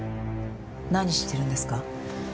何してるんですか？